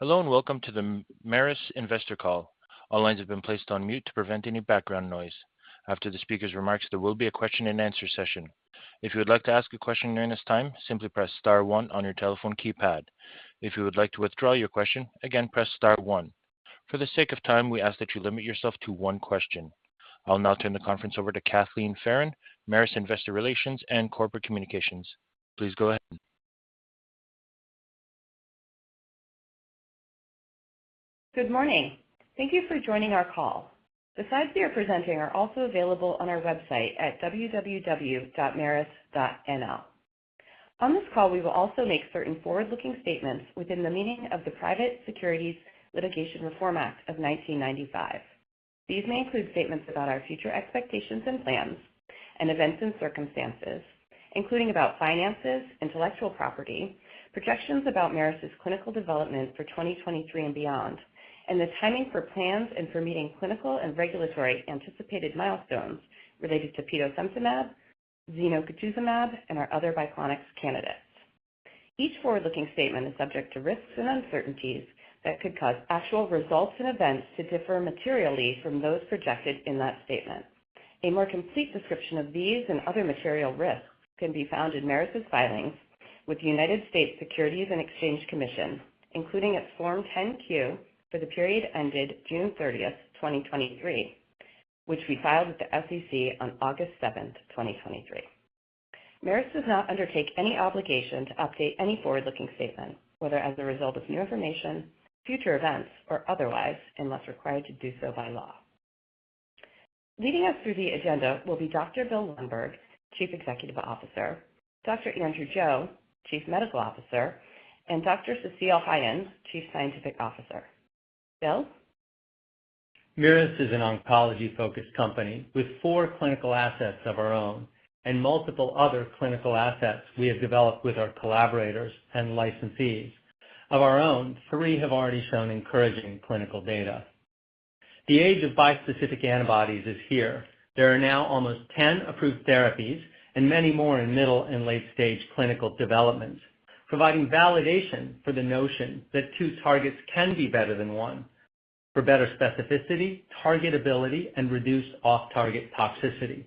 Hello, and welcome to the Merus Investor Call. All lines have been placed on mute to prevent any background noise. After the speaker's remarks, there will be a question-and-answer session. If you would like to ask a question during this time, simply press star one on your telephone keypad. If you would like to withdraw your question, again, press star one. For the sake of time, we ask that you limit yourself to one question. I'll now turn the conference over to Kathleen Farren, Merus Investor Relations and Corporate Communications. Please go ahead. Good morning. Thank you for joining our call. The slides we are presenting are also available on our website at www.merus.nl. On this call, we will also make certain forward-looking statements within the meaning of the Private Securities Litigation Reform Act of 1995. These may include statements about our future expectations and plans and events and circumstances, including about finances, intellectual property, projections about Merus's clinical development for 2023 and beyond, and the timing for plans and for meeting clinical and regulatory anticipated milestones related to petosemtamab, zenocutuzumab, and our other Biclonics candidates. Each forward-looking statement is subject to risks and uncertainties that could cause actual results and events to differ materially from those projected in that statement. A more complete description of these and other material risks can be found in Merus's filings with the United States Securities and Exchange Commission, including its Form 10-Q for the period ended June 30th, 2023, which we filed with the SEC on August 7, 2023. Merus does not undertake any obligation to update any forward-looking statements, whether as a result of new information, future events, or otherwise, unless required to do so by law. Leading us through the agenda will be Dr. Bill Lundberg, Chief Executive Officer, Dr. Andrew Joe, Chief Medical Officer, and Dr. Cecile Geuijen, Chief Scientific Officer. Bill? Merus is an oncology-focused company with four clinical assets of our own and multiple other clinical assets we have developed with our collaborators and licensees. Of our own, three have already shown encouraging clinical data. The age of bispecific antibodies is here. There are now almost ten approved therapies and many more in middle and late-stage clinical development, providing validation for the notion that two targets can be better than one for better specificity, targetability, and reduced off-target toxicity.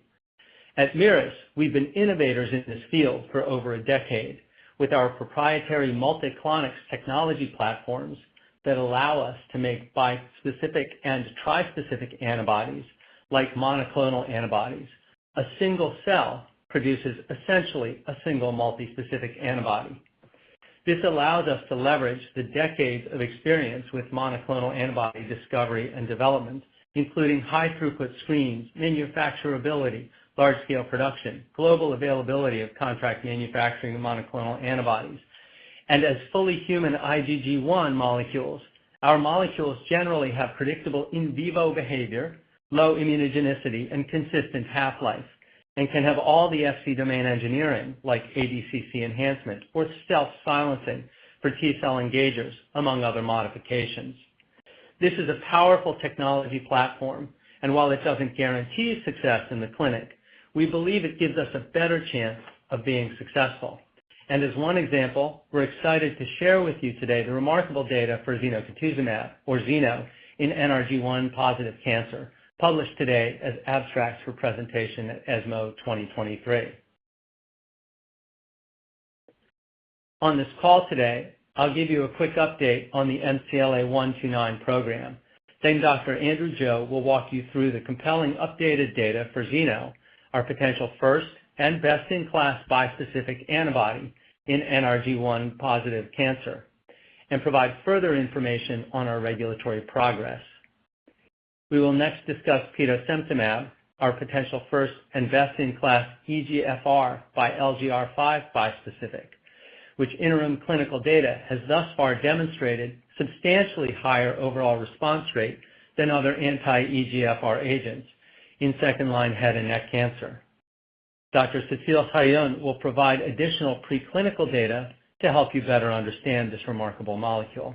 At Merus, we've been innovators in this field for over a decade, with our proprietary Multiclonics technology platforms that allow us to make bispecific and trispecific antibodies like monoclonal antibodies. A single cell produces essentially a single multispecific antibody. This allows us to leverage the decades of experience with monoclonal antibody discovery and development, including high-throughput screens, manufacturability, large-scale production, global availability of contract manufacturing of monoclonal antibodies. As fully human IgG1 molecules, our molecules generally have predictable in vivo behavior, low immunogenicity, and consistent half-life, and can have all the Fc domain engineering, like ADCC enhancement or self-silencing for T-cell engagers, among other modifications. This is a powerful technology platform, and while it doesn't guarantee success in the clinic, we believe it gives us a better chance of being successful. As one example, we're excited to share with you today the remarkable data for zenocutuzumab, or Zeno, in NRG1-positive cancer, published today as abstracts for presentation at ESMO 2023. On this call today, I'll give you a quick update on the MCLA-129 program. Then Dr. Andrew Joe will walk you through the compelling updated data for Zeno, our potential first and best-in-class bispecific antibody in NRG1-positive cancer, and provide further information on our regulatory progress. We will next discuss petosemtamab, our potential first and best-in-class EGFR and LGR5 bispecific, which interim clinical data has thus far demonstrated substantially higher overall response rate than other anti-EGFR agents in second-line head and neck cancer. Dr. Cecile Geuijen will provide additional preclinical data to help you better understand this remarkable molecule.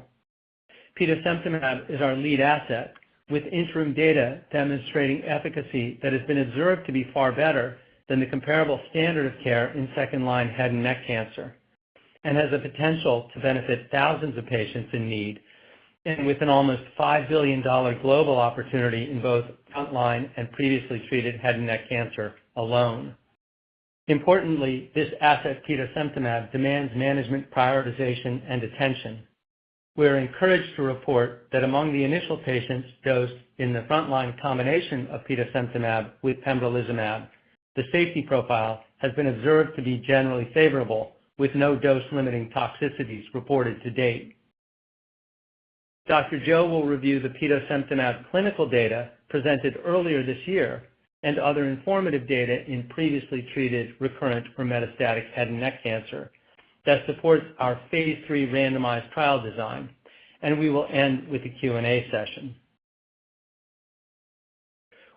Petosemtamab is our lead asset, with interim data demonstrating efficacy that has been observed to be far better than the comparable standard of care in second-line head and neck cancer, and has the potential to benefit thousands of patients in need, and with an almost $5 billion global opportunity in both frontline and previously treated head and neck cancer alone. Importantly, this asset, petosemtamab, demands management, prioritization, and attention. We are encouraged to report that among the initial patients dosed in the frontline combination of petosemtamab with pembrolizumab, the safety profile has been observed to be generally favorable, with no dose-limiting toxicities reported to date. Dr. Joe will review the petosemtamab clinical data presented earlier this year and other informative data in previously treated recurrent or metastatic head and neck cancer that supports our phase III randomized trial design, and we will end with a Q&A session.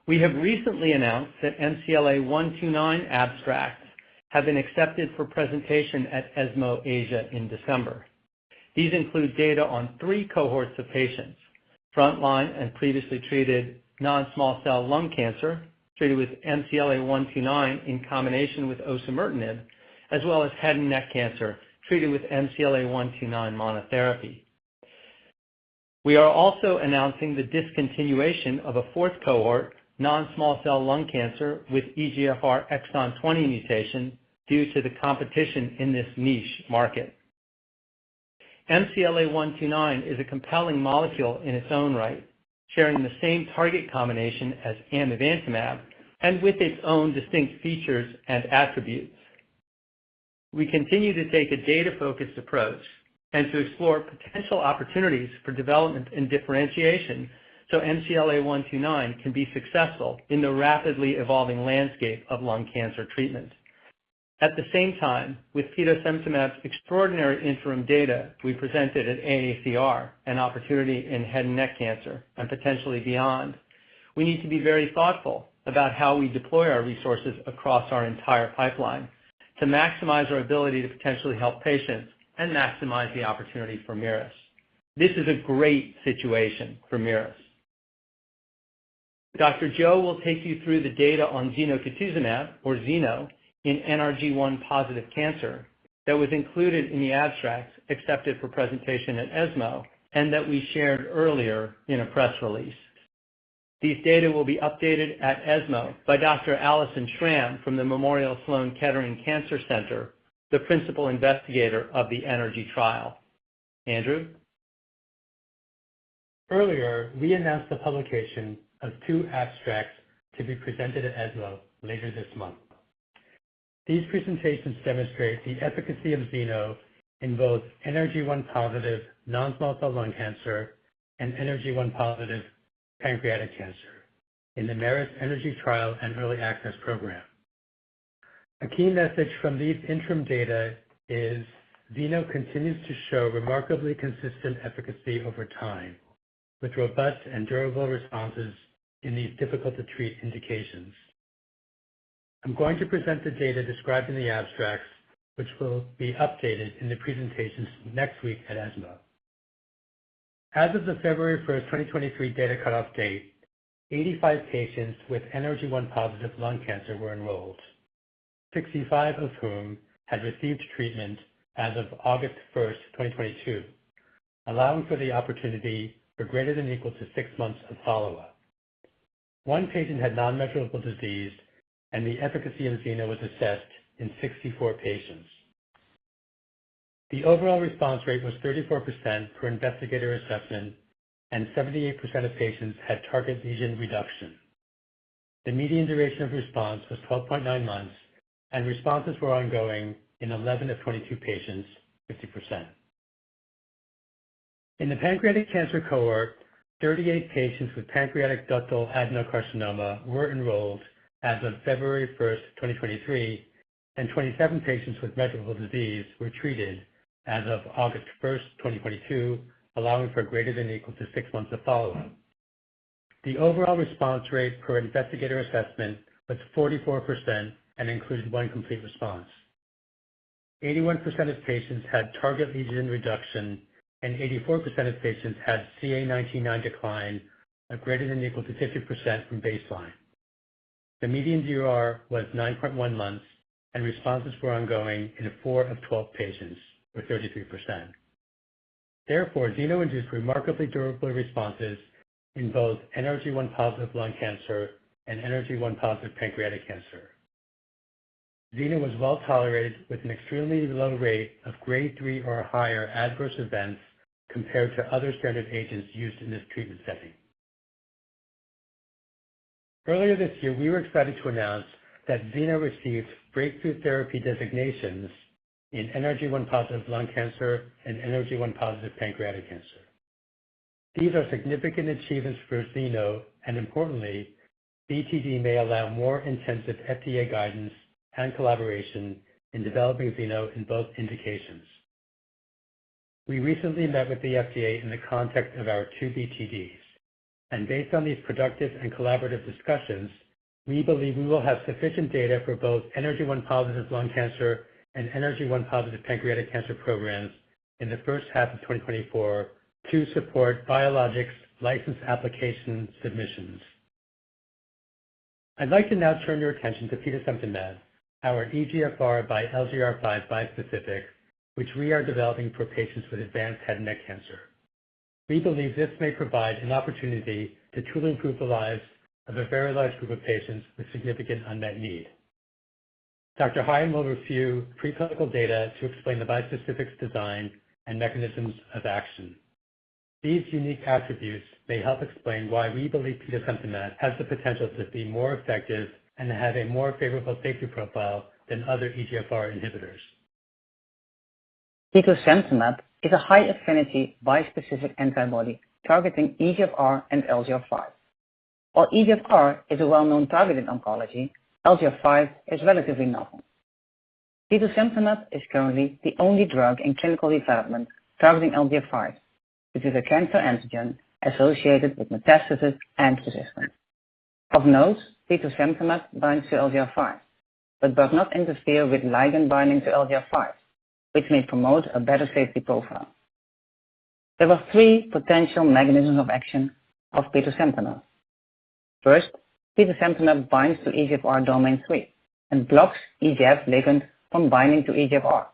We have recently announced that MCLA-129 abstracts have been accepted for presentation at ESMO Asia in December. These include data on three cohorts of patients, frontline and previously treated non-small cell lung cancer, treated with MCLA-129 in combination with osimertinib, as well as head and neck cancer, treated with MCLA-129 monotherapy. We are also announcing the discontinuation of a fourth cohort, non-small cell lung cancer, with EGFR exon 20 mutation, due to the competition in this niche market. MCLA-129 is a compelling molecule in its own right, sharing the same target combination as amivantamab and with its own distinct features and attributes. We continue to take a data-focused approach and to explore potential opportunities for development and differentiation, so MCLA-129 can be successful in the rapidly evolving landscape of lung cancer treatment. At the same time, with petosemtamab's extraordinary interim data we presented at AACR, an opportunity in head and neck cancer and potentially beyond. We need to be very thoughtful about how we deploy our resources across our entire pipeline to maximize our ability to potentially help patients and maximize the opportunity for Merus. This is a great situation for Merus. Dr. Joe will take you through the data on zenocutuzumab, or Zeno, in `NRG1-positive cancer, that was included in the abstracts accepted for presentation at ESMO and that we shared earlier in a press release. These data will be updated at ESMO by Dr. Alison Schram from the Memorial Sloan Kettering Cancer Center, the principal investigator of the eNRGy trial. Andrew? Earlier, we announced the publication of 2 abstracts to be presented at ESMO later this month. These presentations demonstrate the efficacy of Zeno in both NRG1-positive non-small cell lung cancer and NRG1-positive pancreatic cancer in the eNRGy trial and early access program. A key message from these interim data is: Zeno continues to show remarkably consistent efficacy over time, with robust and durable responses in these difficult-to-treat indications. I'm going to present the data described in the abstracts, which will be updated in the presentations next week at ESMO. As of the February 1st, 2023 data cutoff date, 85 patients with NRG1-positive lung cancer were enrolled, 65 of whom had received treatment as of August 1st, 2022, allowing for the opportunity for ≥6 months of follow-up. One patient had non-measurable disease, and the efficacy of Zeno was assessed in 64 patients. The overall response rate was 34% for investigator assessment, and 78% of patients had target lesion reduction. The median duration of response was 12.9 months, and responses were ongoing in 11 of 22 patients, 50%. In the pancreatic cancer cohort, 38 patients with pancreatic ductal adenocarcinoma were enrolled as of February 1, 2023, and 27 patients with measurable disease were treated as of August 1, 2022, allowing for ≥6 months of follow-up. The overall response rate per investigator assessment was 44% and included 1 complete response. 81% of patients had target lesion reduction, and 84% of patients had CA 19-9 decline of ≥50% from baseline. The median DOR was 9.1 months, and responses were ongoing in 4 of 12 patients, or 33%. Therefore, Zeno induced remarkably durable responses in both NRG1-positive lung cancer and NRG1-positive pancreatic cancer. Zeno was well-tolerated, with an extremely low rate of grade 3 or higher adverse events compared to other standard agents used in this treatment setting. Earlier this year, we were excited to announce that Zeno received breakthrough therapy designations in NRG1-positive lung cancer and NRG1-positive pancreatic cancer. These are significant achievements for Zeno, and importantly, BTD may allow more intensive FDA guidance and collaboration in developing Zeno in both indications. We recently met with the FDA in the context of our two BTDs, and based on these productive and collaborative discussions, we believe we will have sufficient data for both NRG1-positive lung cancer and NRG1-positive pancreatic cancer programs in the first half of 2024 to support biologics license application submissions. I'd like to now turn your attention to petosemtamab, our EGFR x LGR5 bispecific, which we are developing for patients with advanced head and neck cancer. We believe this may provide an opportunity to truly improve the lives of a very large group of patients with significant unmet need. Dr. Geuijen will review preclinical data to explain the bispecific's design and mechanisms of action. These unique attributes may help explain why we believe petosemtamab has the potential to be more effective and have a more favorable safety profile than other EGFR inhibitors. Petosemtamab is a high-affinity bispecific antibody targeting EGFR and LGR5. While EGFR is a well-known target in oncology, LGR5 is relatively novel. Petosemtamab is currently the only drug in clinical development targeting LGR5, which is a cancer antigen associated with metastasis and resistance. Of note, petosemtamab binds to LGR5, but does not interfere with ligand binding to LGR5, which may promote a better safety profile. There are three potential mechanisms of action of petosemtamab. First, petosemtamab binds to EGFR domain three and blocks EGF ligand from binding to EGFR,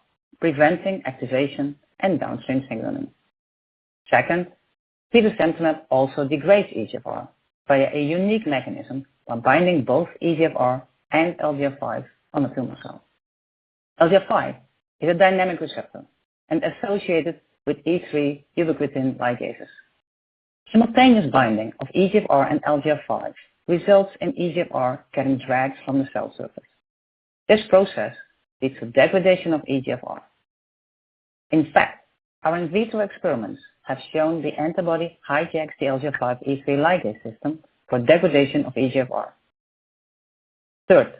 preventing activation and downstream signaling. Second, petosemtamab also degrades EGFR via a unique mechanism while binding both EGFR and LGR5 on the tumor cell. LGR5 is a dynamic receptor and associated with E3 ubiquitin ligases. Simultaneous binding of EGFR and LGR5 results in EGFR getting dragged from the cell surface. This process leads to degradation of EGFR. In fact, our in vitro experiments have shown the antibody hijacks the LGR5 E3 ligase system for degradation of EGFR. Third,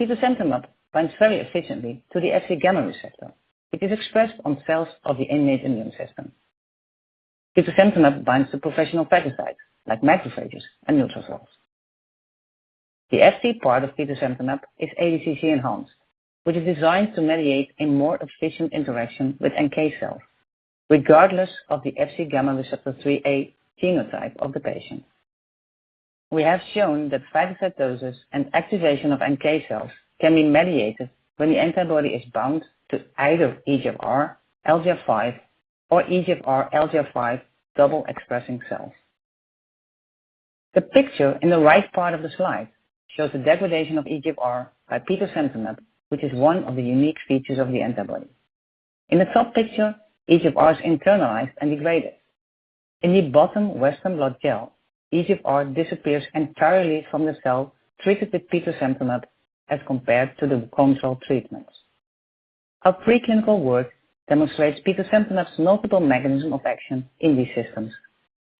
petosemtamab binds very efficiently to the Fc gamma receptor. It is expressed on cells of the innate immune system. Petosemtamab binds to professional phagocytes like macrophages and neutrophils. The Fc part of petosemtamab is ADCC enhanced, which is designed to mediate a more efficient interaction with NK cells, regardless of the Fc gamma receptor IIIA genotype of the patient. We have shown that phagocytosis and activation of NK cells can be mediated when the antibody is bound to either EGFR, LGR5, or EGFR x LGR5 double-expressing cells. The picture in the right part of the slide shows the degradation of EGFR by petosemtamab, which is one of the unique features of the antibody. In the top picture, EGFR is internalized and degraded. In the bottom western blot gel, EGFR disappears entirely from the cell treated with petosemtamab as compared to the control treatments. Our preclinical work demonstrates petosemtamab's multiple mechanism of action in these systems,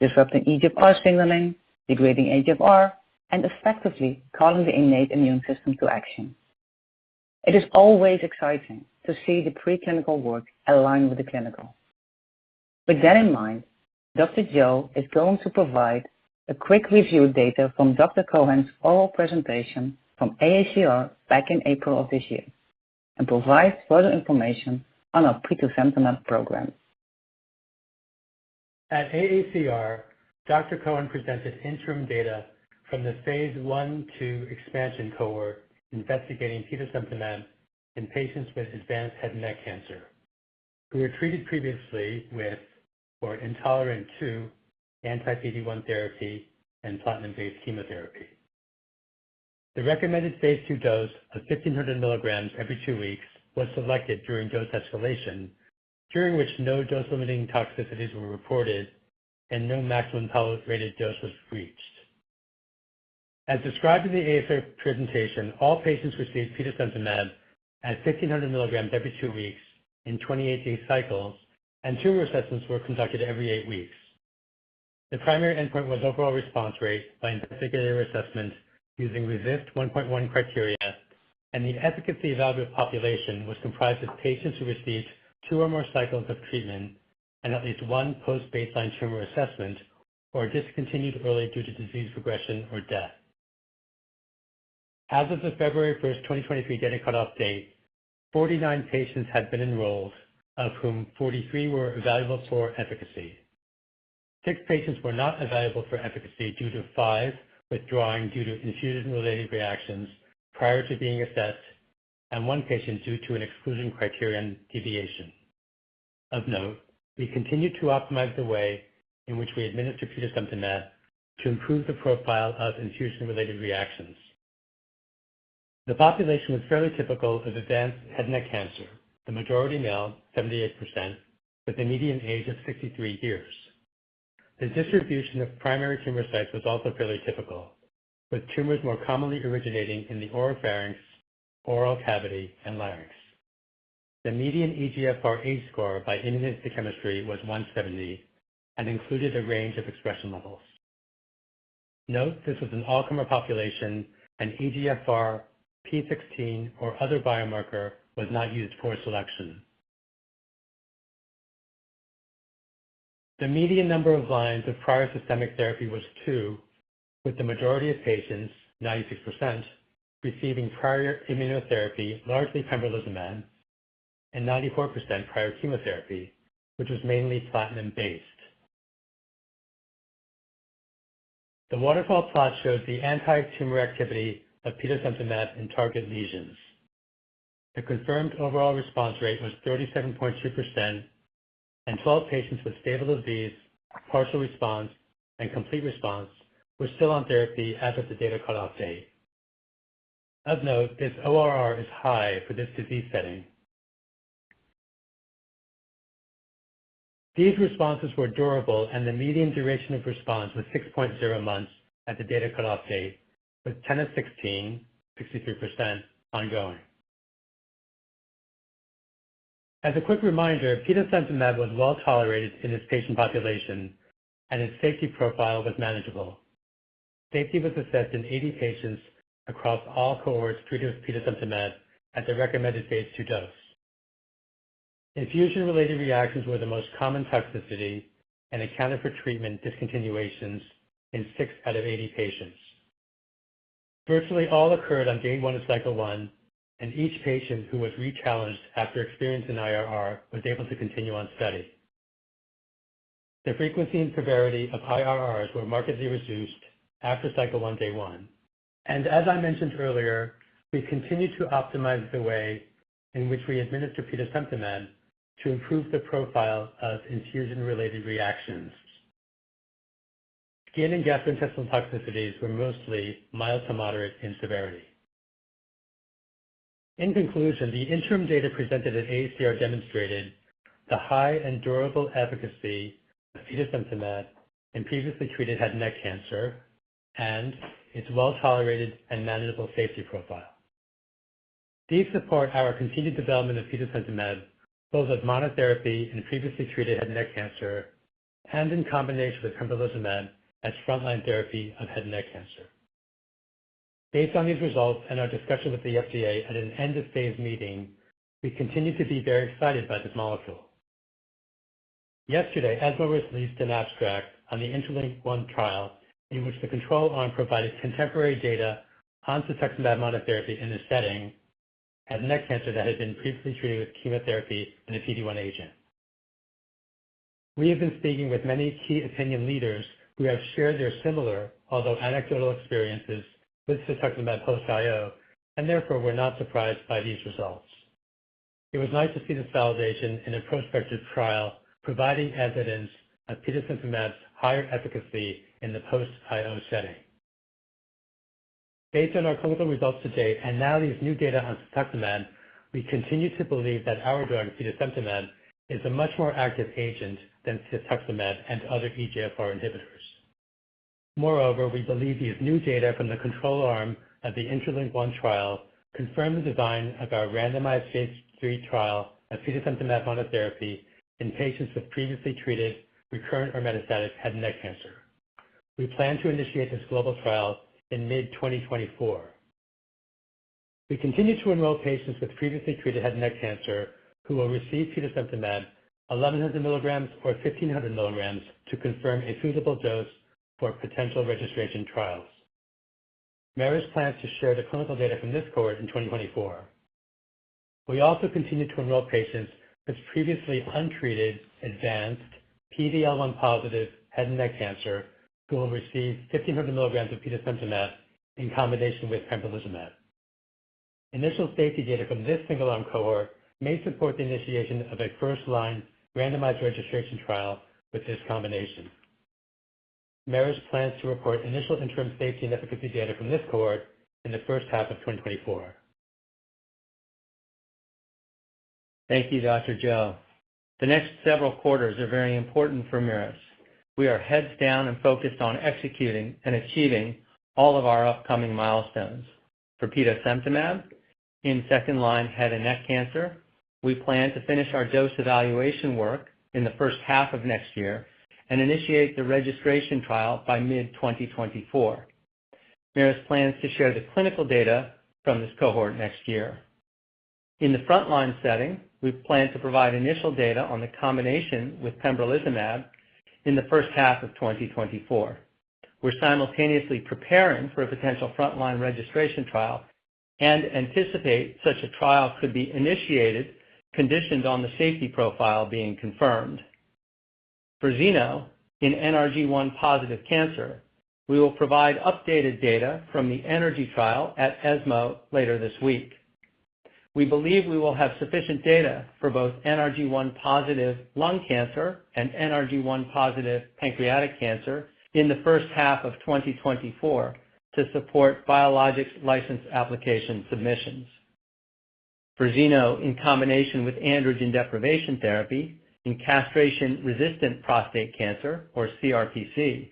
disrupting EGFR signaling, degrading EGFR, and effectively calling the innate immune system to action. It is always exciting to see the preclinical work align with the clinical. With that in mind, Dr. Zhou is going to provide a quick review data from Dr. Cohen's oral presentation from AACR back in April of this year, and provide further information on our petosemtamab program. At AACR, Dr. Cohen presented interim data from the phase I/II expansion cohort investigating petosemtamab in patients with advanced head and neck cancer, who were treated previously with or intolerant to anti-PD-1 therapy and platinum-based chemotherapy. The recommended phase II dose of 1,500 milligrams every 2 weeks was selected during dose escalation, during which no dose-limiting toxicities were reported and no maximum tolerated dose was reached. As described in the AACR presentation, all patients received petosemtamab at 1,500 milligrams every 2 weeks in 28-day cycles, and tumor assessments were conducted every 8 weeks. The primary endpoint was overall response rate by investigator assessment using RECIST 1.1 criteria, and the efficacy evaluation population was comprised of patients who received two or more cycles of treatment and at least 1 post-baseline tumor assessment, or discontinued early due to disease progression or death. As of the February 1st, 2023 data cutoff date, 49 patients had been enrolled, of whom 43 were evaluable for efficacy. Six patients were not evaluable for efficacy due to five withdrawing due to infusion-related reactions prior to being assessed, and one patient due to an exclusion criterion deviation. Of note, we continued to optimize the way in which we administer petosemtamab to improve the profile of infusion-related reactions. The population was fairly typical of advanced head and neck cancer, the majority male, 78%, with a median age of 63 years. The distribution of primary tumor sites was also fairly typical, with tumors more commonly originating in the oropharynx, oral cavity, and larynx. The median EGFR H-score by immunohistochemistry was 170 and included a range of expression levels. Note, this was an all-comer population, and EGFR, p16, or other biomarker was not used for selection. The median number of lines of prior systemic therapy was two, with the majority of patients, 96%, receiving prior immunotherapy, largely pembrolizumab, and 94% prior chemotherapy, which was mainly platinum-based. The waterfall plot shows the anti-tumor activity of petosemtamab in target lesions. The confirmed overall response rate was 37.2%, and 12 patients with stable disease, partial response, and complete response were still on therapy as of the data cutoff date. Of note, this ORR is high for this disease setting. These responses were durable, and the median duration of response was 6.0 months at the data cutoff date, with 10 of 16, 63%, ongoing. As a quick reminder, petosemtamab was well tolerated in this patient population, and its safety profile was manageable. Safety was assessed in 80 patients across all cohorts treated with petosemtamab at the recommended phase II dose.... Infusion-related reactions were the most common toxicity and accounted for treatment discontinuations in 6 out of 80 patients. Virtually all occurred on day one of cycle one, and each patient who was rechallenged after experiencing IRR was able to continue on study. The frequency and severity of IRRs were markedly reduced after cycle one, day one, and as I mentioned earlier, we've continued to optimize the way in which we administer petosemtamab to improve the profile of infusion-related reactions. Skin and gastrointestinal toxicities were mostly mild to moderate in severity. In conclusion, the interim data presented at AACR demonstrated the high and durable efficacy of petosemtamab in previously treated head and neck cancer, and its well-tolerated and manageable safety profile. These support our continued development of petosemtamab, both as monotherapy in previously treated head and neck cancer and in combination with pembrolizumab as frontline therapy of head and neck cancer. Based on these results and our discussion with the FDA at an end-of-phase meeting, we continue to be very excited by this molecule. Yesterday, ESMO released an abstract on the INTERLINK-1 trial, in which the control arm provided contemporary data on cetuximab monotherapy in the setting of head and neck cancer that had been previously treated with chemotherapy and a PD-1 agent. We have been speaking with many key opinion leaders who have shared their similar, although anecdotal, experiences with cetuximab post-IO, and therefore we're not surprised by these results. It was nice to see this validation in a prospective trial, providing evidence of petosemtamab's higher efficacy in the post-IO setting. Based on our clinical results to date and now these new data on cetuximab, we continue to believe that our drug, petosemtamab, is a much more active agent than cetuximab and other EGFR inhibitors. Moreover, we believe these new data from the control arm of the INTERLINK-1 trial confirm the design of our randomized phase III trial of petosemtamab monotherapy in patients with previously treated, recurrent, or metastatic head and neck cancer. We plan to initiate this global trial in mid-2024. We continue to enroll patients with previously treated head and neck cancer who will receive petosemtamab, 1,100 mg or 1,500 mg, to confirm a feasible dose for potential registration trials. Merus plans to share the clinical data from this cohort in 2024. We also continue to enroll patients with previously untreated, advanced PD-L1 positive head and neck cancer, who will receive 1,500 mg of petosemtamab in combination with pembrolizumab. Initial safety data from this single-arm cohort may support the initiation of a first-line randomized registration trial with this combination. Merus plans to report initial interim safety and efficacy data from this cohort in the first half of 2024. Thank you, Dr. Joe. The next several quarters are very important for Merus. We are heads down and focused on executing and achieving all of our upcoming milestones. For petosemtamab in second-line head and neck cancer, we plan to finish our dose evaluation work in the first half of next year and initiate the registration trial by mid-2024. Merus plans to share the clinical data from this cohort next year. In the front-line setting, we plan to provide initial data on the combination with pembrolizumab in the first half of 2024. We're simultaneously preparing for a potential front-line registration trial and anticipate such a trial could be initiated, conditioned on the safety profile being confirmed. For Zeno, in NRG1-positive cancer, we will provide updated data from the eNRGy trial at ESMO later this week. We believe we will have sufficient data for both NRG1-positive lung cancer and NRG1-positive pancreatic cancer in the first half of 2024 to support biologics license application submissions. For Zeno, in combination with androgen deprivation therapy in castration-resistant prostate cancer, or CRPC,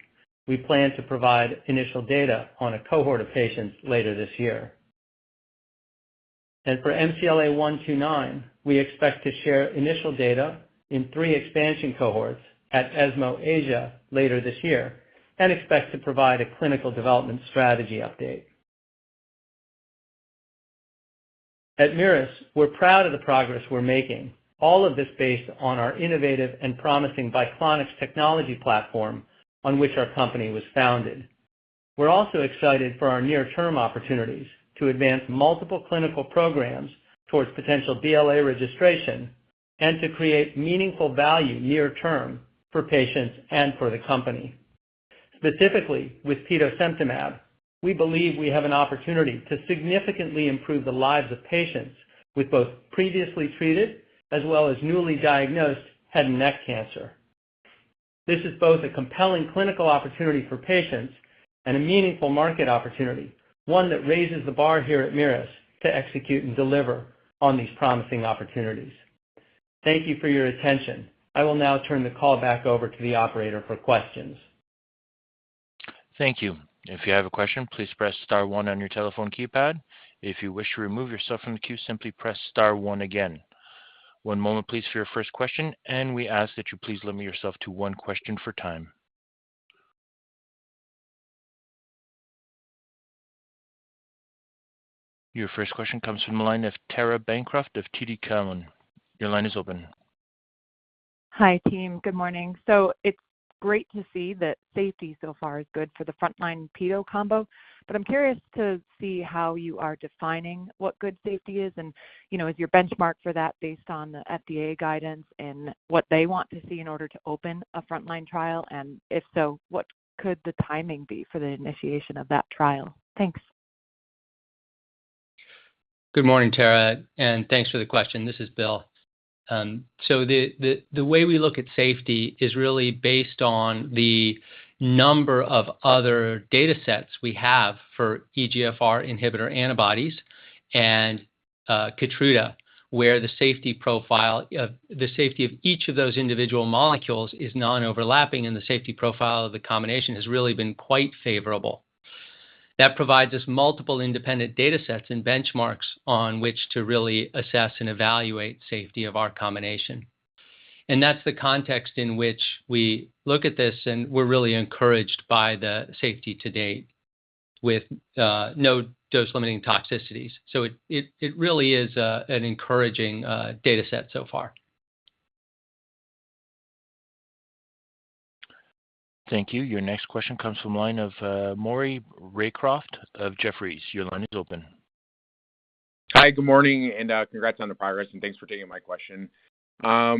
we plan to provide initial data on a cohort of patients later this year. For MCLA-129, we expect to share initial data in three expansion cohorts at ESMO Asia later this year and expect to provide a clinical development strategy update. At Merus, we're proud of the progress we're making, all of this based on our innovative and promising Biclonics technology platform on which our company was founded. We're also excited for our near-term opportunities to advance multiple clinical programs towards potential BLA registration and to create meaningful value near term for patients and for the company. Specifically, with petosemtamab, we believe we have an opportunity to significantly improve the lives of patients with both previously treated as well as newly diagnosed head and neck cancer. This is both a compelling clinical opportunity for patients and a meaningful market opportunity, one that raises the bar here at Merus to execute and deliver on these promising opportunities. Thank you for your attention. I will now turn the call back over to the operator for questions. Thank you. If you have a question, please press Star one on your telephone keypad. If you wish to remove yourself from the queue, simply press Star one again. One moment, please, for your first question, and we ask that you please limit yourself to one question for time. Your first question comes from the line of Tara Bancroft of TD Cowen. Your line is open. Hi, team. Good morning. It's great to see that safety so far is good for the frontline petosemtamab combo, but I'm curious to see how you are defining what good safety is. You know, is your benchmark for that based on the FDA guidance and what they want to see in order to open a frontline trial? If so, what could the timing be for the initiation of that trial? Thanks. Good morning, Tara, and thanks for the question. This is Bill. So the way we look at safety is really based on the number of other datasets we have for EGFR inhibitor antibodies and Keytruda, where the safety profile of the safety of each of those individual molecules is non-overlapping, and the safety profile of the combination has really been quite favorable. That provides us multiple independent datasets and benchmarks on which to really assess and evaluate safety of our combination. And that's the context in which we look at this, and we're really encouraged by the safety to date with no dose-limiting toxicities. So it really is an encouraging dataset so far. Thank you. Your next question comes from line of Maury Raycroft of Jefferies. Your line is open. Hi, good morning, and congrats on the progress, and thanks for taking my question. I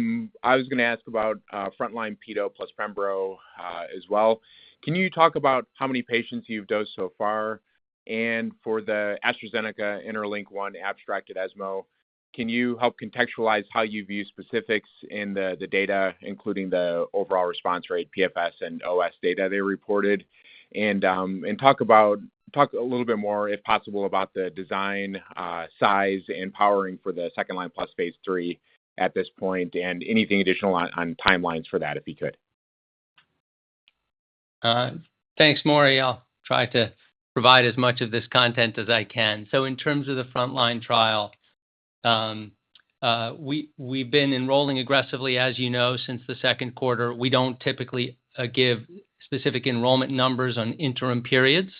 was going to ask about frontline Pido plus pembro as well. Can you talk about how many patients you've dosed so far? And for the AstraZeneca INTERLINK-1 abstract at ESMO, can you help contextualize how you view specifics in the data, including the overall response rate, PFS and OS data they reported? And talk a little bit more, if possible, about the design, size and powering for the second-line plus phase III at this point, and anything additional on timelines for that, if you could. Thanks, Maury. I'll try to provide as much of this content as I can. So in terms of the frontline trial, we've been enrolling aggressively, as you know, since the second quarter. We don't typically give specific enrollment numbers on interim periods,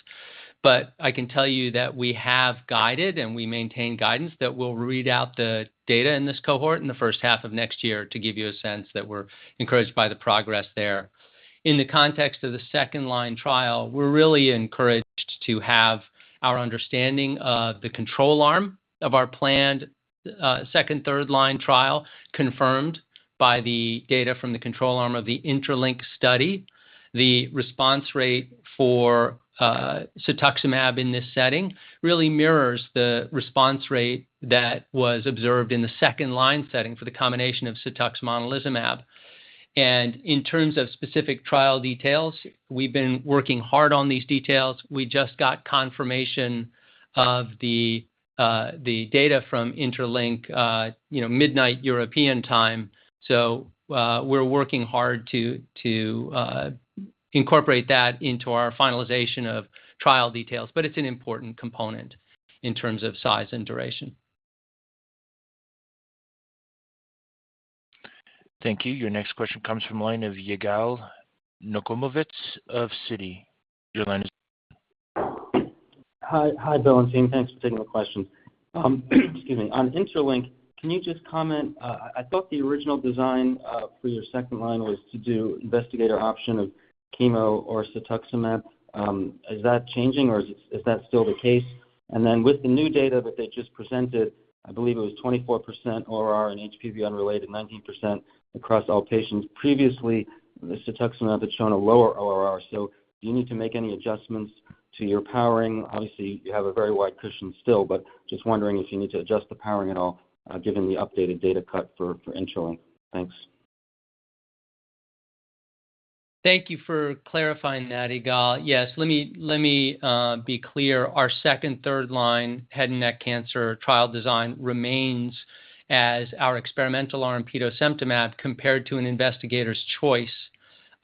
but I can tell you that we have guided, and we maintain guidance that we'll read out the data in this cohort in the first half of next year to give you a sense that we're encouraged by the progress there. In the context of the second line trial, we're really encouraged to have our understanding of the control arm of our planned second/third line trial, confirmed by the data from the control arm of the INTERLINK study. The response rate for cetuximab in this setting really mirrors the response rate that was observed in the second line setting for the combination of cetuximab monalizumab. And in terms of specific trial details, we've been working hard on these details. We just got confirmation of the data from INTERLINK, you know, midnight European time. So, we're working hard to incorporate that into our finalization of trial details, but it's an important component in terms of size and duration. Thank you. Your next question comes from line of Yigal Nochomovitz of Citi. Your line is- Hi. Hi, Bill and team. Thanks for taking my question. Excuse me. On INTERLINK, can you just comment... I thought the original design, for your second line was to do investigator option of chemo or cetuximab. Is that changing, or is, is that still the case? And then with the new data that they just presented, I believe it was 24% ORR in HPV-unrelated, 19% across all patients. Previously, the cetuximab had shown a lower ORR, so do you need to make any adjustments to your powering? Obviously, you have a very wide cushion still, but just wondering if you need to adjust the powering at all, given the updated data cut for, for INTERLINK. Thanks. Thank you for clarifying that, Yigal. Yes, let me be clear. Our second, third line head and neck cancer trial design remains as our experimental arm, petosemtamab, compared to an investigator's choice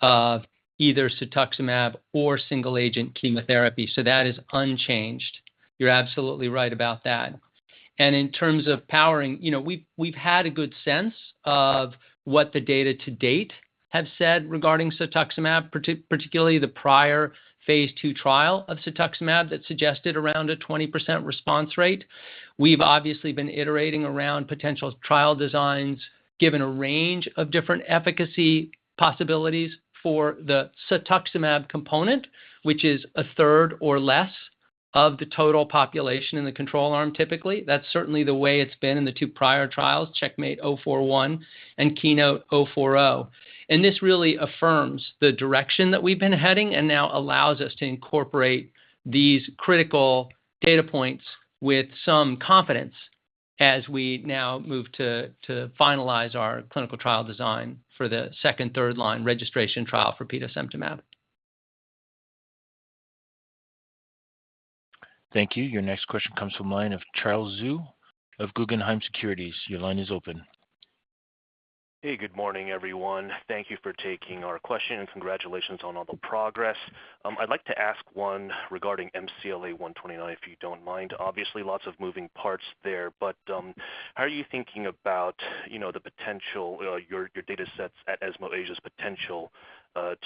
of either cetuximab or single agent chemotherapy. So that is unchanged. You're absolutely right about that. And in terms of powering, you know, we've had a good sense of what the data to date have said regarding cetuximab, particularly the prior phase II trial of cetuximab that suggested around a 20% response rate. We've obviously been iterating around potential trial designs, given a range of different efficacy possibilities for the cetuximab component, which is a third or less of the total population in the control arm, typically. That's certainly the way it's been in the two prior trials, CheckMate 141 and KEYNOTE-040. This really affirms the direction that we've been heading and now allows us to incorporate these critical data points with some confidence as we now move to finalize our clinical trial design for the second- and third-line registration trial for petosemtamab. Thank you. Your next question comes from line of Charles Zhu of Guggenheim Securities. Your line is open. Hey, good morning, everyone. Thank you for taking our question, and congratulations on all the progress. I'd like to ask one regarding MCLA-129, if you don't mind. Obviously, lots of moving parts there, but, how are you thinking about, you know, the potential, your, your datasets at ESMO Asia's potential,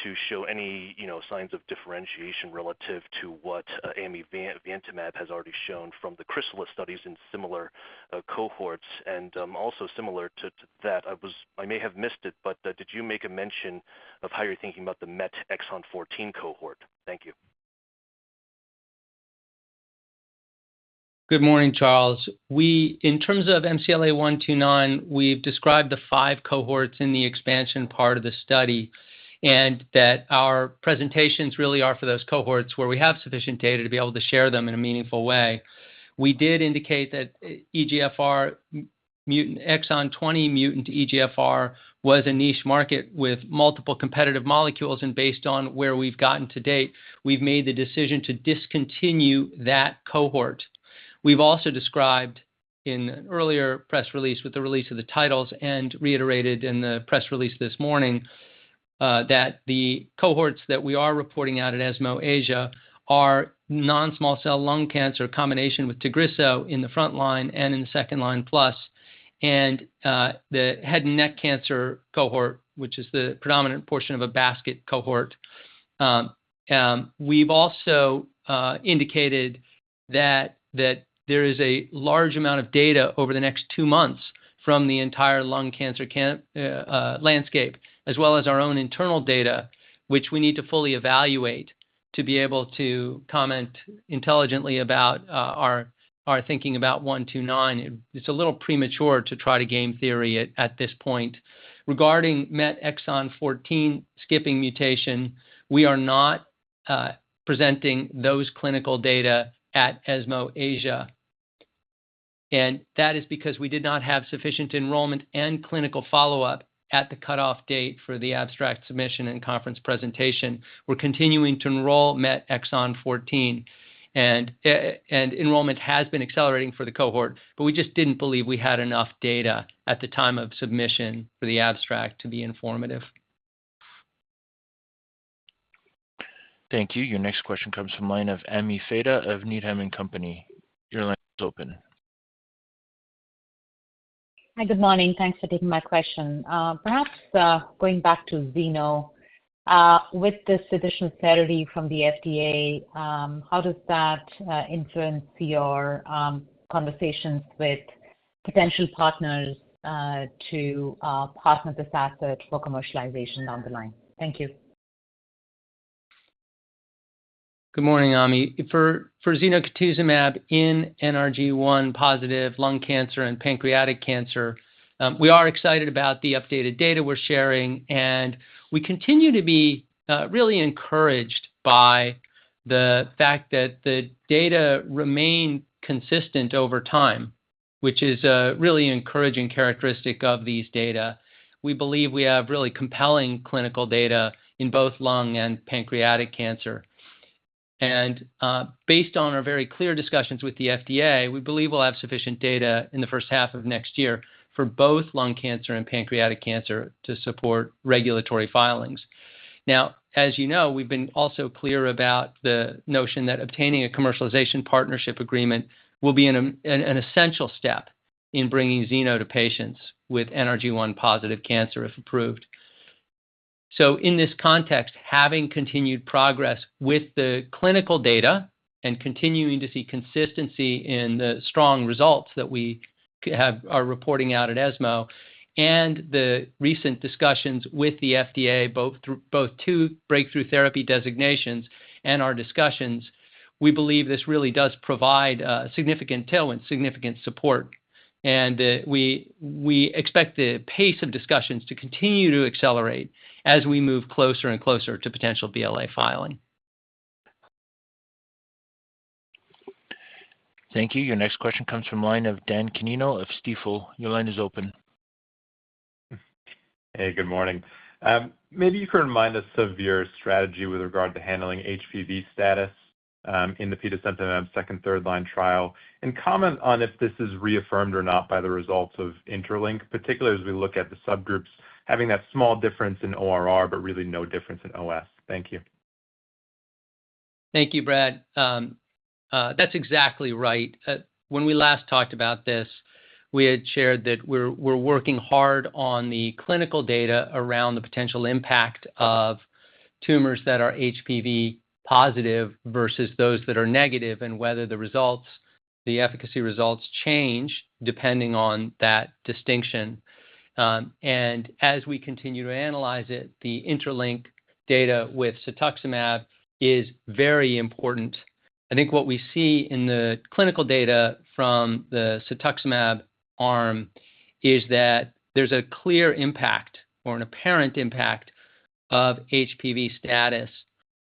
to show any, you know, signs of differentiation relative to what amivantamab has already shown from the Chrysalis studies in similar, cohorts? And, also similar to that, I may have missed it, but, did you make a mention of how you're thinking about the MET exon 14 cohort? Thank you.... Good morning, Charles. We, in terms of MCLA-129, we've described the five cohorts in the expansion part of the study, and that our presentations really are for those cohorts where we have sufficient data to be able to share them in a meaningful way. We did indicate that EGFR mutant, exon 20 mutant EGFR was a niche market with multiple competitive molecules, and based on where we've gotten to date, we've made the decision to discontinue that cohort. We've also described in an earlier press release, with the release of the titles and reiterated in the press release this morning, that the cohorts that we are reporting out at ESMO Asia are non-small cell lung cancer combination with Tagrisso in the front line and in the second line plus, and the head and neck cancer cohort, which is the predominant portion of a basket cohort. We've also indicated that there is a large amount of data over the next two months from the entire lung cancer landscape, as well as our own internal data, which we need to fully evaluate to be able to comment intelligently about our thinking about 129. It's a little premature to try to game theory at this point. Regarding MET exon 14 skipping mutation, we are not presenting those clinical data at ESMO Asia, and that is because we did not have sufficient enrollment and clinical follow-up at the cutoff date for the abstract submission and conference presentation. We're continuing to enroll MET exon 14, and enrollment has been accelerating for the cohort, but we just didn't believe we had enough data at the time of submission for the abstract to be informative. Thank you. Your next question comes from line of Ami Fadia of Needham and Company. Your line is open. Hi, good morning. Thanks for taking my question. Perhaps, going back to Zeno. With this additional clarity from the FDA, how does that influence your conversations with potential partners, to partner this asset for commercialization down the line? Thank you. Good morning, Ami. For zenocutuzumab in NRG1-positive lung cancer and pancreatic cancer, we are excited about the updated data we're sharing, and we continue to be really encouraged by the fact that the data remain consistent over time, which is a really encouraging characteristic of these data. We believe we have really compelling clinical data in both lung and pancreatic cancer. Based on our very clear discussions with the FDA, we believe we'll have sufficient data in the first half of next year for both lung cancer and pancreatic cancer to support regulatory filings. Now, as you know, we've been also clear about the notion that obtaining a commercialization partnership agreement will be an essential step in bringing Zeno to patients with NRG1-positive cancer, if approved. So in this context, having continued progress with the clinical data and continuing to see consistency in the strong results that we have... are reporting out at ESMO, and the recent discussions with the FDA, both through, both two breakthrough therapy designations and our discussions, we believe this really does provide significant tailwind, significant support. And we expect the pace of discussions to continue to accelerate as we move closer and closer to potential BLA filing. Thank you. Your next question comes from line of Brad Canino of Stifel. Your line is open. Hey, good morning. Maybe you can remind us of your strategy with regard to handling HPV status in the petosemtamab second- and third-line trial, and comment on if this is reaffirmed or not by the results of INTERLINK-1, particularly as we look at the subgroups having that small difference in ORR, but really no difference in OS. Thank you. Thank you, Brad. That's exactly right. When we last talked about this, we had shared that we're working hard on the clinical data around the potential impact of tumors that are HPV positive versus those that are negative, and whether the results, the efficacy results change depending on that distinction. And as we continue to analyze it, the INTERLINK data with cetuximab is very important. I think what we see in the clinical data from the cetuximab arm is that there's a clear impact or an apparent impact of HPV status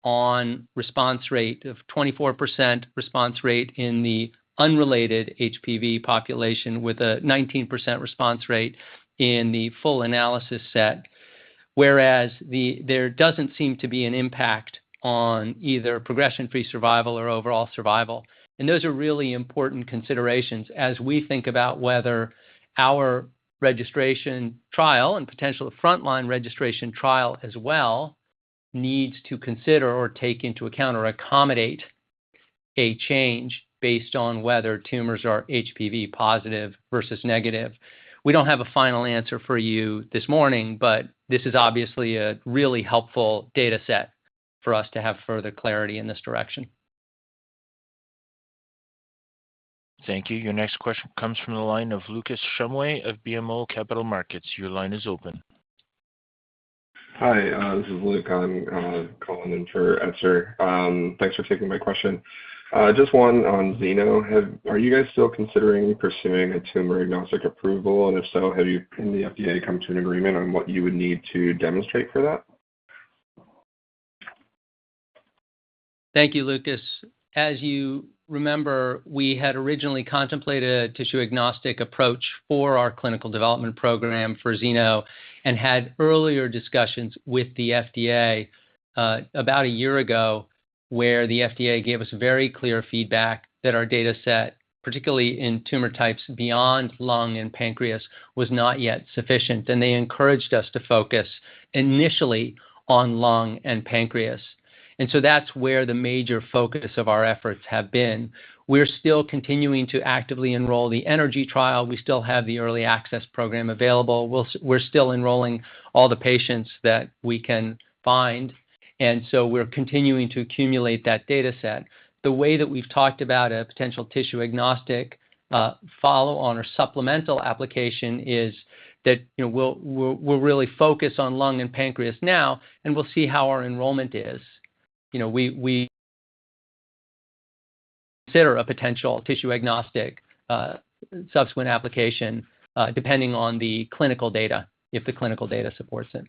on response rate of 24% response rate in the HPV-unrelated population, with a 19% response rate in the full analysis set. Whereas there doesn't seem to be an impact on either progression-free survival or overall survival. Those are really important considerations as we think about whether our registration trial and potential frontline registration trial as well, needs to consider or take into account or accommodate a change based on whether tumors are HPV positive versus negative. We don't have a final answer for you this morning, but this is obviously a really helpful data set for us to have further clarity in this direction. Thank you. Your next question comes from the line of Lucas Shumway of BMO Capital Markets. Your line is open. Hi, this is Luke. I'm calling in for Esther. Thanks for taking my question. Just one on Zeno. Are you guys still considering pursuing a tumor-agnostic approval? And if so, have you and the FDA come to an agreement on what you would need to demonstrate for that? Thank you, Lucas. As you remember, we had originally contemplated a tissue-agnostic approach for our clinical development program for Zeno and had earlier discussions with the FDA about a year ago, where the FDA gave us very clear feedback that our data set, particularly in tumor types beyond lung and pancreas, was not yet sufficient. They encouraged us to focus initially on lung and pancreas. So that's where the major focus of our efforts have been. We're still continuing to actively enroll the eNRGy trial. We still have the early access program available. We're still enrolling all the patients that we can find, and so we're continuing to accumulate that data set. The way that we've talked about a potential tissue-agnostic follow-on or supplemental application is that, you know, we'll really focus on lung and pancreas now, and we'll see how our enrollment is. You know, we consider a potential tissue-agnostic subsequent application, depending on the clinical data, if the clinical data supports it.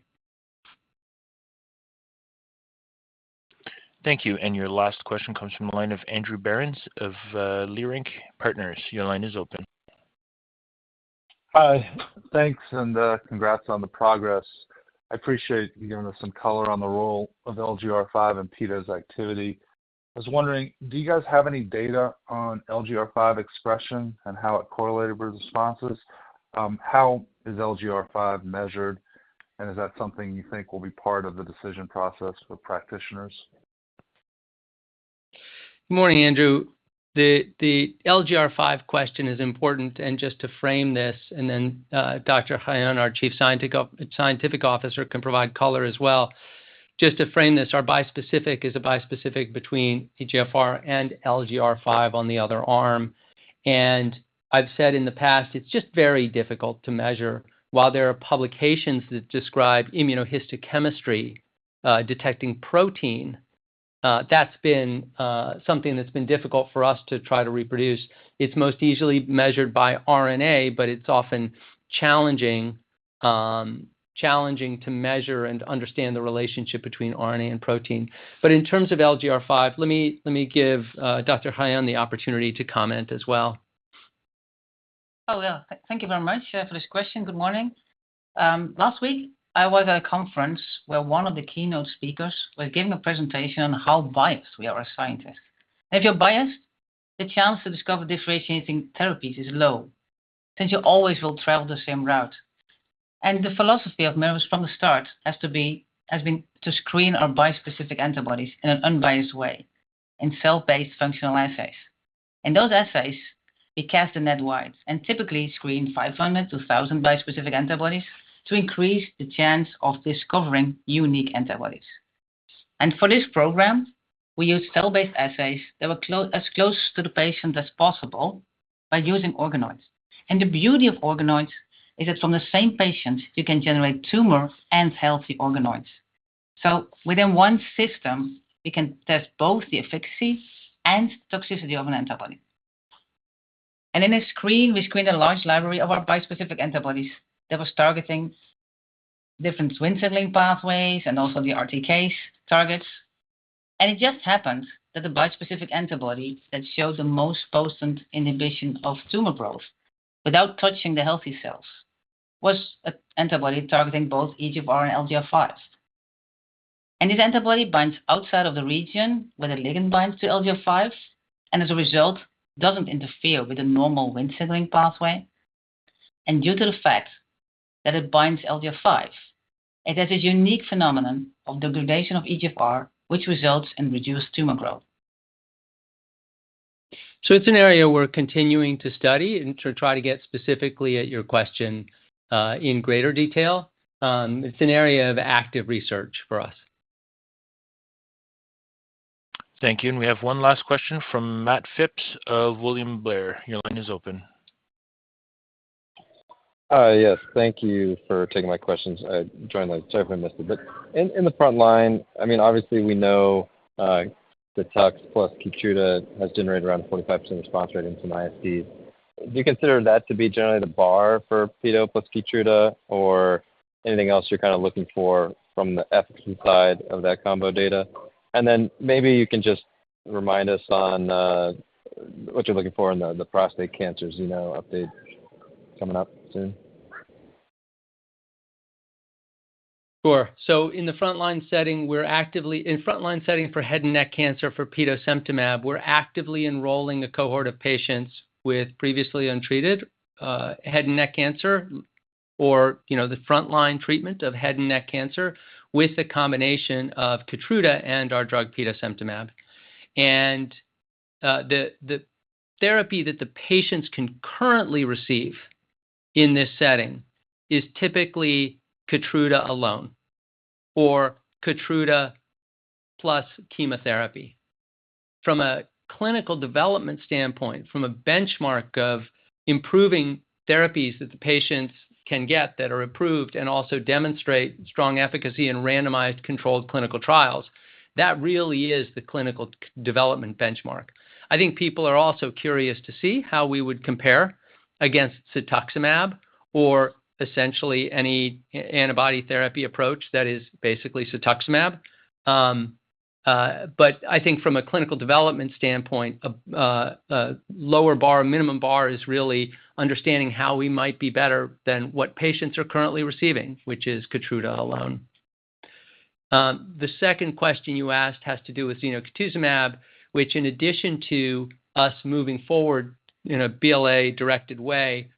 Thank you. And your last question comes from the line of Andrew Berens of Leerink Partners. Your line is open. Hi. Thanks, and congrats on the progress. I appreciate you giving us some color on the role of LGR5 and petosemtamab's activity. I was wondering, do you guys have any data on LGR5 expression and how it correlated with responses? How is LGR5 measured, and is that something you think will be part of the decision process for practitioners? Good morning, Andrew. The LGR5 question is important, and just to frame this, and then Dr. Geuijen, our Chief Scientific Officer, can provide color as well. Just to frame this, our bispecific is a bispecific between EGFR and LGR5 on the other arm, and I've said in the past, it's just very difficult to measure. While there are publications that describe immunohistochemistry detecting protein, that's been something that's been difficult for us to try to reproduce. It's most easily measured by RNA, but it's often challenging to measure and understand the relationship between RNA and protein. But in terms of LGR5, let me give Dr. Geuijen the opportunity to comment as well. Oh, well, thank you very much for this question. Good morning. Last week, I was at a conference where one of the keynote speakers was giving a presentation on how biased we are as scientists. If you're biased, the chance to discover differentiating therapies is low, since you always will travel the same route. And the philosophy of Merus from the start has to be, has been to screen our bispecific antibodies in an unbiased way in cell-based functional assays. In those assays, we cast the net wide and typically screen 500-1,000 bispecific antibodies to increase the chance of discovering unique antibodies. And for this program, we used cell-based assays that were as close to the patient as possible by using organoids. And the beauty of organoids is that from the same patient, you can generate tumor and healthy organoids. Within one system, we can test both the efficacy and toxicity of an antibody. In a screen, we screen a large library of our bispecific antibodies that was targeting different Wnt signaling pathways and also the RTK targets. It just happened that the bispecific antibody that showed the most potent inhibition of tumor growth without touching the healthy cells, was an antibody targeting both EGFR and LGR5. This antibody binds outside of the region where the ligand binds to LGR5, and as a result, doesn't interfere with the normal Wnt signaling pathway. Due to the fact that it binds LGR5, it has a unique phenomenon of degradation of EGFR, which results in reduced tumor growth. So it's an area we're continuing to study and to try to get specifically at your question, in greater detail. It's an area of active research for us. Thank you. We have one last question from Matt Phipps of William Blair. Your line is open. Yes. Thank you for taking my questions. I joined late, sorry if I missed it. But in the front line, I mean, obviously, we know, the Erbitux plus Keytruda has generated around 45% response rate in some HNSCC. Do you consider that to be generally the bar for petosemtamab plus Keytruda or anything else you're kinda looking for from the efficacy side of that combo data? And then maybe you can just remind us on, what you're looking for in the prostate cancer Zeno update coming up soon. Sure. So in the frontline setting, we're actively in frontline setting for head and neck cancer for petosemtamab, we're actively enrolling a cohort of patients with previously untreated, head and neck cancer or, you know, the frontline treatment of head and neck cancer with a combination of Keytruda and our drug, petosemtamab. And, the therapy that the patients can currently receive in this setting is typically Keytruda alone or Keytruda plus chemotherapy. From a clinical development standpoint, from a benchmark of improving therapies that the patients can get that are approved and also demonstrate strong efficacy in randomized controlled clinical trials, that really is the clinical development benchmark. I think people are also curious to see how we would compare against cetuximab or essentially any antibody therapy approach that is basically cetuximab. But I think from a clinical development standpoint, a lower bar, a minimum bar is really understanding how we might be better than what patients are currently receiving, which is Keytruda alone. The second question you asked has to do with zenocutuzumab, which in addition to us moving forward in a BLA-directed way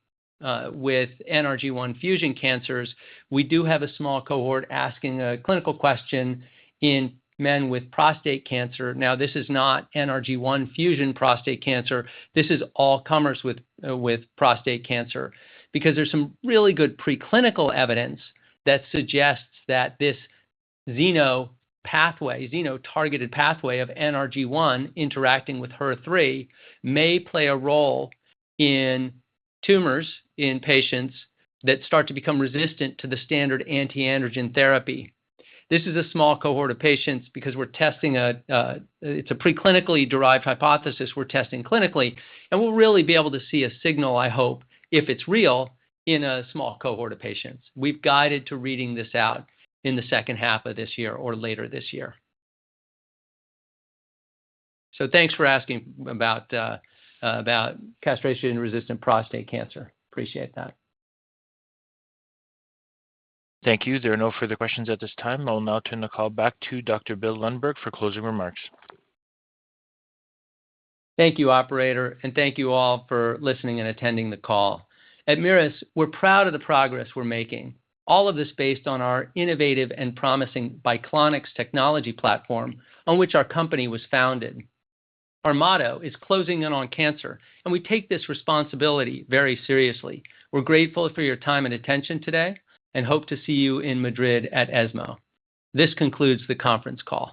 with NRG1 fusion cancers, we do have a small cohort asking a clinical question in men with prostate cancer. Now, this is not NRG1 fusion prostate cancer. This is all comers with prostate cancer. Because there's some really good preclinical evidence that suggests that this Zeno pathway, Zeno targeted pathway of NRG1 interacting with HER3, may play a role in tumors in patients that start to become resistant to the standard anti-androgen therapy. This is a small cohort of patients because we're testing a It's a preclinically derived hypothesis we're testing clinically, and we'll really be able to see a signal, I hope, if it's real, in a small cohort of patients. We've guided to reading this out in the second half of this year or later this year. So thanks for asking about, about castration-resistant prostate cancer. Appreciate that. Thank you. There are no further questions at this time. I'll now turn the call back to Dr. Bill Lundberg for closing remarks. Thank you, operator, and thank you all for listening and attending the call. At Merus, we're proud of the progress we're making, all of this based on our innovative and promising Biclonics technology platform on which our company was founded. Our motto is "Closing in on cancer," and we take this responsibility very seriously. We're grateful for your time and attention today and hope to see you in Madrid at ESMO. This concludes the conference call.